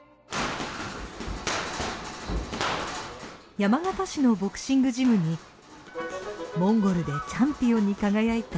山形市のボクシングジムにモンゴルでチャンピオンに輝いた逸材が現れました。